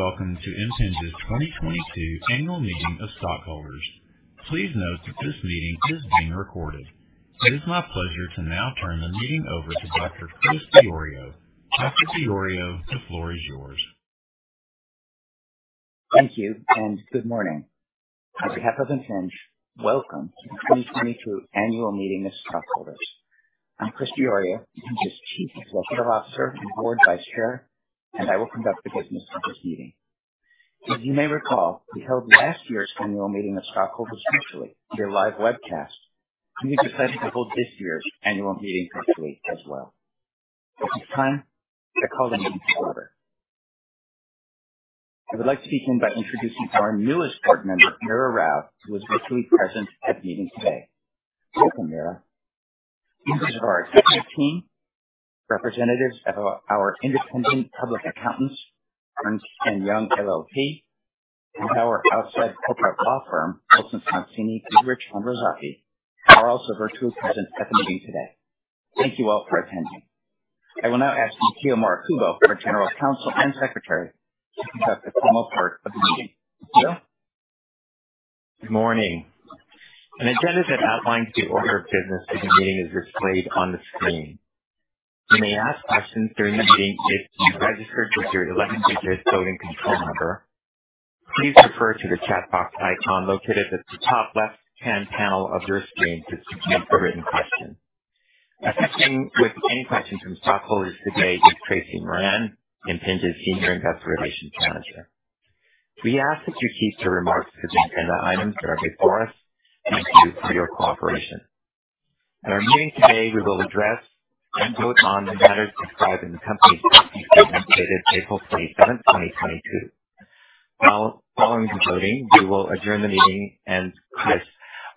Hello, and welcome to Impinj's 2022 Annual Meeting of Stockholders. Please note that this meeting is being recorded. It is my pleasure to now turn the meeting over to Dr. Chris Diorio. Dr. Diorio, the floor is yours. Thank you, and good morning. On behalf of Impinj, welcome to the 2022 Annual Meeting of Stockholders. I'm Chris Diorio, Impinj's Chief Executive Officer and Board Vice Chair, and I will conduct the business of this meeting. As you may recall, we held last year's annual meeting of stockholders virtually via live webcast. We decided to hold this year's annual meeting virtually as well. At this time, I call the meeting to order. I would like to begin by introducing our newest board member, Meera Rao, who is virtually present at the meeting today. Welcome, Meera. Members of our executive team, representatives of our independent public accountants, Ernst & Young LLP, and our outside corporate law firm, Wilson Sonsini Goodrich & Rosati, are also virtually present at the meeting today. Thank you all for attending. I will now ask Yukio Morikubo, our General Counsel and Secretary, to conduct the formal part of the meeting. Yukio? Good morning. An agenda that outlines the order of business for the meeting is displayed on the screen. You may ask questions during the meeting if you registered with your 11-digit voting control number. Please refer to the chat box icon located at the top left-hand panel of your screen to submit the written question. Assisting with any questions from stockholders today is Tracy Moran, Impinj's Senior Investor Relations Manager. We ask that you keep your remarks to the agenda items that are before us. Thank you for your cooperation. At our meeting today, we will address and vote on the matters described in the company's proxy statement dated April 27, 2022. Now, following the voting, we will adjourn the meeting, and Chris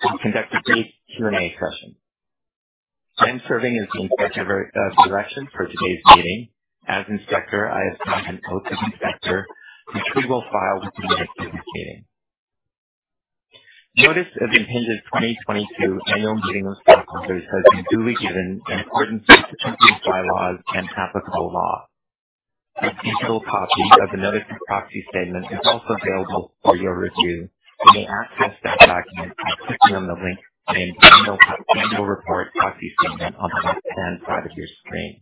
will conduct a brief Q&A session. I am serving as the Inspector of Elections for today's meeting. As Inspector, I have taken an oath as Inspector, which we will file with the minutes of this meeting. Notice of Impinj's 2022 Annual Meeting of Stockholders has been duly given in accordance with the company's bylaws and applicable law. A detailed copy of the notice of proxy statement is also available for your review. You may access that document by clicking on the link in annual report proxy statement on the left-hand side of your screen.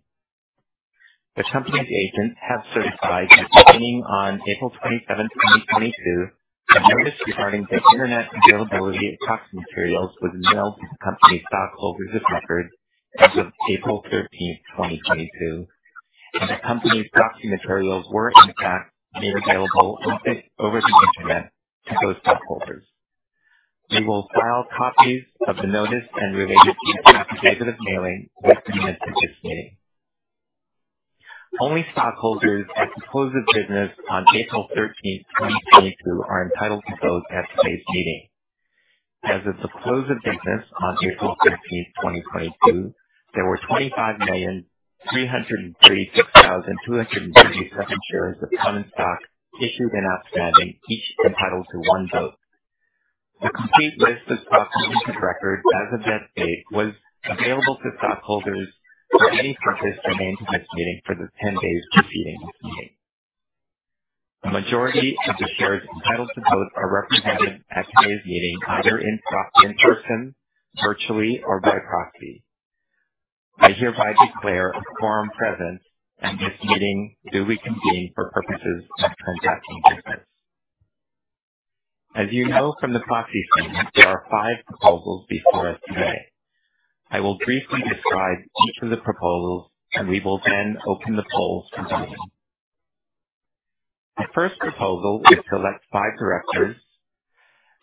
The company's agents have certified that beginning on April 27, 2022, the notice regarding the internet availability of proxy materials was mailed to the company's stockholders of record as of April 13, 2022, and the company's proxy materials were, in fact, made available over the internet to those stockholders. We will file copies of the notice and the related definitive mailing with the minutes of this meeting. Only stockholders as of close of business on April 13, 2022 are entitled to vote at today's meeting. As of the close of business on April 13, 2022, there were 25,303,237 shares of common stock issued and outstanding, each entitled to one vote. The complete list of stockholders of record as of that date was available to stockholders for any purpose germane to this meeting for the 10 days preceding this meeting. A majority of the shares entitled to vote are represented at today's meeting, either in person, virtually, or by proxy. I hereby declare a quorum present, and this meeting duly convened for purposes of transacting business. As you know from the proxy statement, there are five proposals before us today. I will briefly describe each of the proposals, and we will then open the polls for voting. The first proposal is to elect five directors.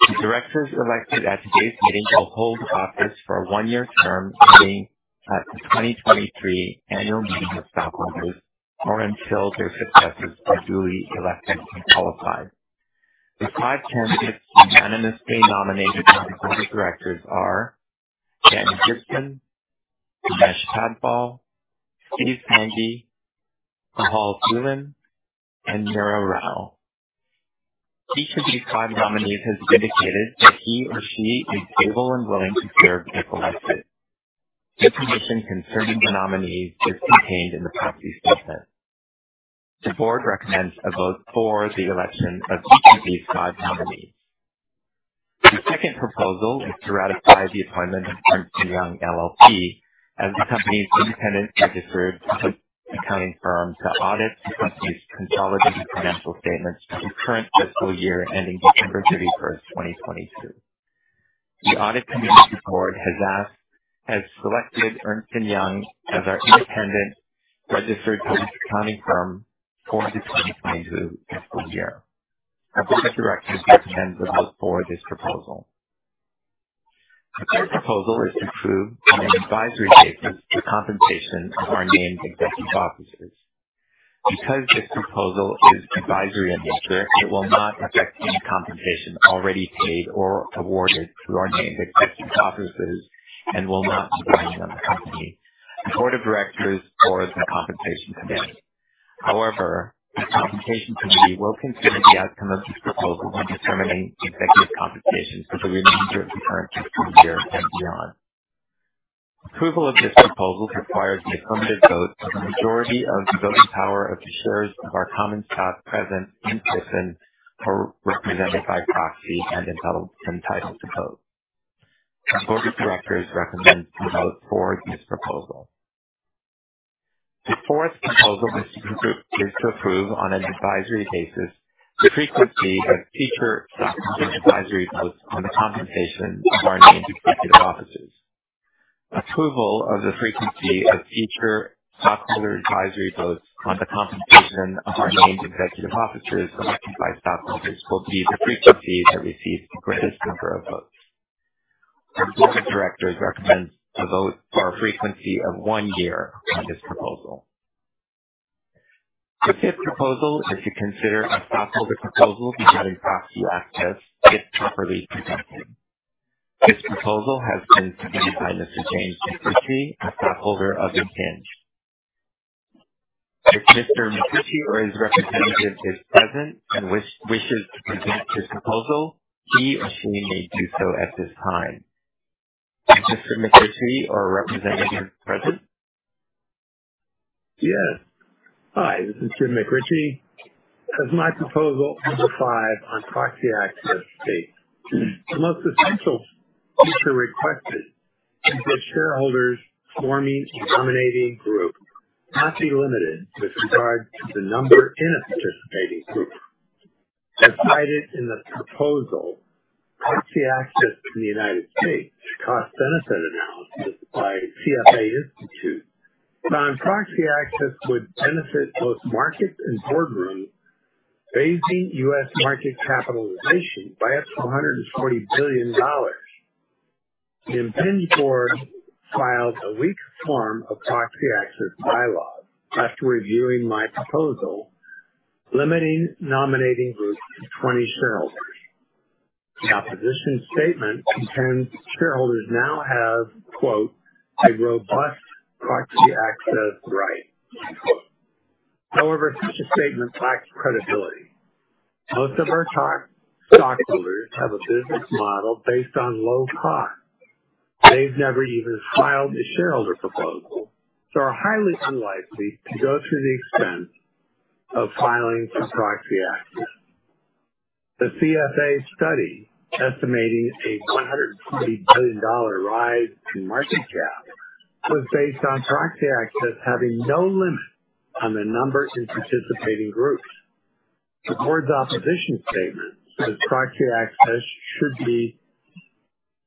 The directors elected at today's meeting will hold office for a one-year term ending at the 2023 annual meeting of stockholders or until their successors are duly elected and qualified. The five candidates unanimously nominated for the directors are Daniel Gibson, Umesh Padval, Steve Sanghi, Cathal Phelan, and Meera Rao. Each of these five nominees has indicated that he or she is able and willing to serve if elected. Information concerning the nominees is contained in the proxy statement. The board recommends a vote for the election of each of these five nominees. The second proposal is to ratify the appointment of Ernst & Young LLP as the company's independent registered accounting firm to audit the company's consolidated financial statements for the current fiscal year ending December 31, 2022. The Audit Committee of the board has selected Ernst & Young as our independent registered public accounting firm for the 2022 fiscal year. Our board of directors recommends a vote for this proposal. The third proposal is to approve, on an advisory basis, the compensation of our named executive officers. Because this proposal is advisory in nature, it will not affect any compensation already paid or awarded to our named executive officers and will not bind the company. The board of directors approves the compensation today. However, the Compensation Committee will consider the outcome of this proposal when determining executive compensation for the remainder of the current fiscal year and beyond. Approval of this proposal requires the affirmative vote of a majority of the voting power of the shares of our common stock present in person or represented by proxy and entitled to vote. Our Board of Directors recommends to vote for this proposal. The fourth proposal is to approve on an advisory basis the frequency of future stockholder advisory votes on the compensation of our named executive officers. Approval of the frequency of future stockholder advisory votes on the compensation of our named executive officers elected by stockholders will be the frequency that receives the greatest number of votes. Our Board of Directors recommends to vote for a frequency of one year on this proposal. The fifth proposal is to consider a stockholder proposal regarding proxy access if properly presented. This proposal has been submitted by Mr. James McRitchie, a stockholder of Impinj. If Mr. McRitchie or his representative is present and wishes to present his proposal, he or she may do so at this time. Is Mr. McRitchie or a representative present? Yes. Hi, this is Jim McRitchie. As my proposal number five on proxy access states, the most essential feature requested is that shareholders forming a nominating group not be limited with regard to the number in a participating group. As cited in the proposal, proxy access in the United States cost-benefit analysis by CFA Institute found proxy access would benefit both markets and boardrooms, raising U.S. market capitalization by up to $140 billion. The Impinj board filed a weak form of proxy access by-law after reviewing my proposal, limiting nominating groups to 20 shareholders. The opposition statement contends shareholders now have “a robust proxy access right.” However, such a statement lacks credibility. Most of our stockholders have a business model based on low cost. They've never even filed a shareholder proposal, so are highly unlikely to go through the expense of filing for proxy access. The CFA study estimating a $120 billion rise to market cap was based on proxy access having no limit on the number in participating groups. The board's opposition statement says proxy access should be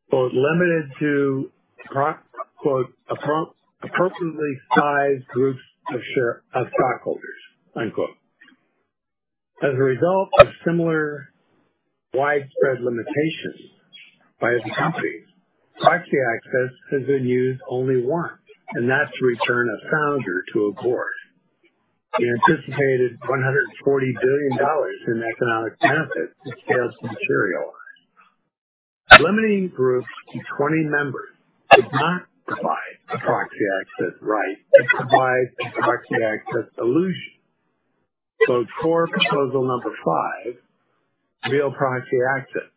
quote, "limited to appropriately sized groups of stockholders." Unquote. As a result of similar widespread limitations by other companies, proxy access has been used only once, and that's to return a founder to a board. The anticipated $140 billion in economic benefit just hasn't materialized. Limiting groups to 20 members does not provide a proxy access right. It provides a proxy access illusion. Vote for proposal number five, real proxy access.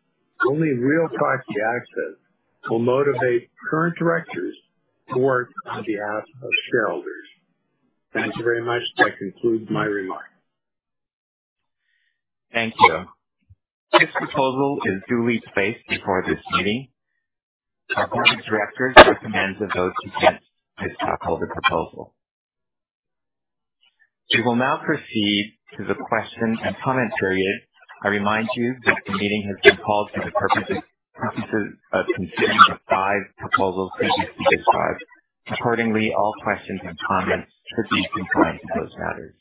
Only real proxy access will motivate current directors to work on behalf of shareholders. Thank you very much. That concludes my remarks. Thank you. This proposal is duly placed before this meeting. Our board of directors recommends a vote against this stockholder proposal. We will now proceed to the question and comment period. I remind you that the meeting has been called for the purposes of considering the five proposals previously described. Accordingly, all questions and comments should be confined to those matters.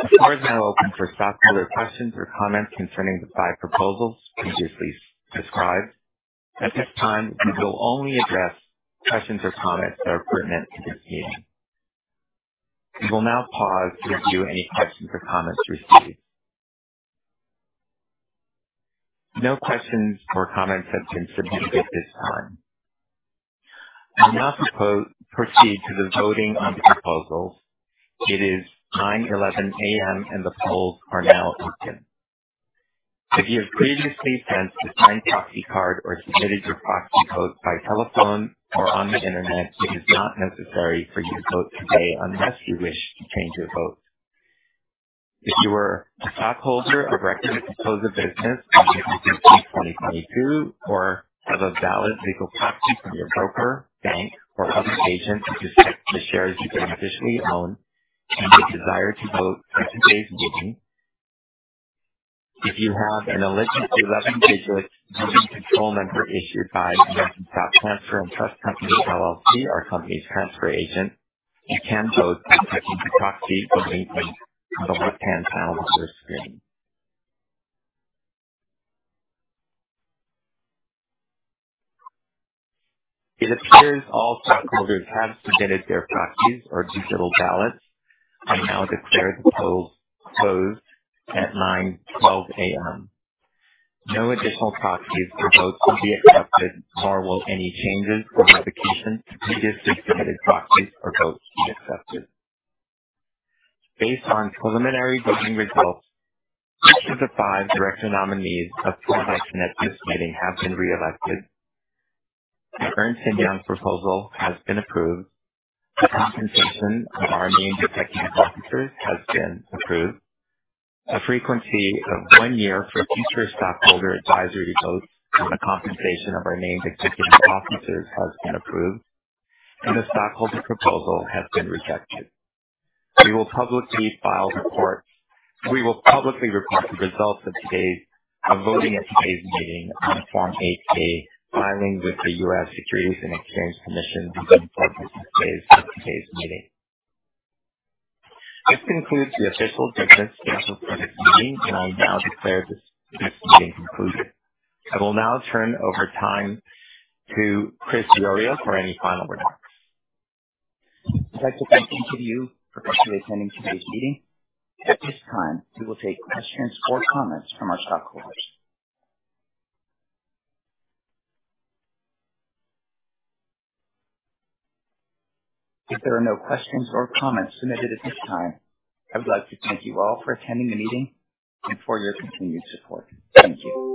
The floor is now open for stockholder questions or comments concerning the five proposals previously described. At this time, we will only address questions or comments that are pertinent to this meeting. We will now pause to review any questions or comments received. No questions or comments have been submitted at this time. I will now proceed to the voting on the proposals. It is 9:11 A.M., and the polls are now open. If you have previously sent a signed proxy card or submitted your proxy vote by telephone or on the Internet, it is not necessary for you to vote today unless you wish to change your vote. If you are a stockholder of record as of close of business on May 15, 2022, or have a valid legal proxy from your broker, bank, or other agent to represent the shares you beneficially own and you desire to vote at today's meeting. If you have an eligible 11-digit voting control number issued by American Stock Transfer & Trust Company, LLC, our company's transfer agent, you can vote by typing the proxy voting link on the right-hand side of your screen. It appears all stockholders have submitted their proxies or digital ballots. I now declare the polls closed at 9:12 A.M. No additional proxies or votes will be accepted, nor will any changes or revocations to previously submitted proxies or votes be accepted. Based on preliminary voting results, each of the five director nominees up for election at this meeting have been reelected. The Ernst & Young's proposal has been approved. The compensation of our named executive officers has been approved. A frequency of one year for future stockholder advisory votes on the compensation of our named executive officers has been approved. The stockholder proposal has been rejected. We will publicly report the results of voting at today's meeting on Form 8-K filing with the U.S. Securities and Exchange Commission within 45 days of today's meeting. This concludes the official business scheduled for this meeting, and I now declare this meeting concluded. I will now turn over time to Chris Diorio for any final remarks. I'd like to thank each of you for virtually attending today's meeting. At this time, we will take questions or comments from our stockholders. If there are no questions or comments submitted at this time, I would like to thank you all for attending the meeting and for your continued support. Thank you.